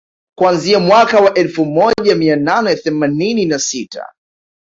Kuanzia mwaka wa elfu moja mia nane themanini na sita